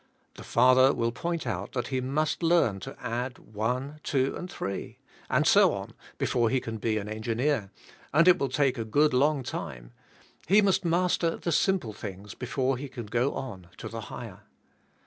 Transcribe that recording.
" The father will point out that he must learn to add one, two and three, and so on, before he can be an engineer, and it will take a good Long time; he must master the simple things before he can go on to the higher.